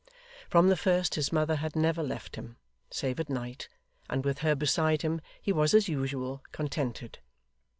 From the first his mother had never left him, save at night; and with her beside him, he was as usual contented.